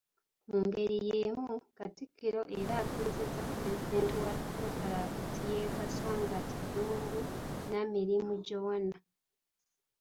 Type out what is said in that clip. Mu ngeri yeemu, Katikkiro era atuuzizza pulezidenti wa Rotaract ye Kasangati Ddungu Namirimu Joana.